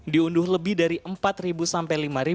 diunduh lebih dari empat sampai lima